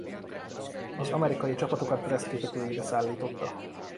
Az amerikai csapatokat Brest kikötőjébe szállította.